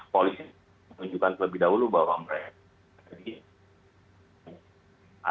polisi menunjukkan terlebih dahulu bahwa mereka